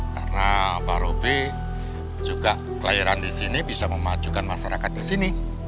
karena pak rubi juga pelayaran di sini bisa memajukan masyarakat di sini